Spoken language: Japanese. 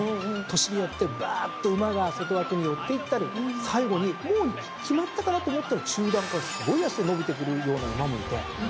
年によってばーっと馬が外枠に寄っていったり最後にもう決まったかなと思ったら中団からすごい脚で伸びてくるような馬もいて。